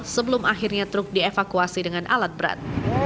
sebelum akhirnya truk dievakuasi dengan alat berat